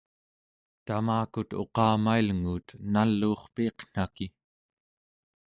tamakut uqamailnguut naluurpiiqnaki!